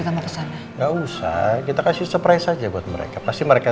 tengok dia kak